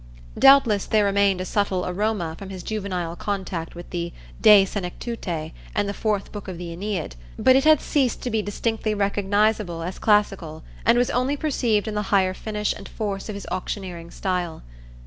Doubtless there remained a subtle aroma from his juvenile contact with the De Senectute and the fourth book of the Æneid, but it had ceased to be distinctly recognisable as classical, and was only perceived in the higher finish and force of his auctioneering style.